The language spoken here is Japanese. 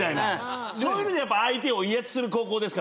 そういう意味でやっぱ相手を威圧する高校ですからね。